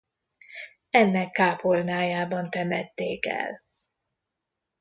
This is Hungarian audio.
Ennek kápolnájában temették el.